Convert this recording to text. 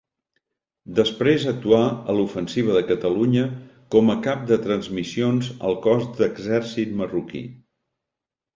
Després actuà a l'ofensiva de Catalunya com a cap de transmissions al Cos d'Exèrcit Marroquí.